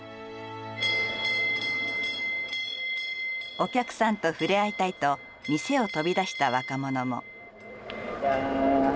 お客さんと触れ合いたいと店を飛び出した若者も。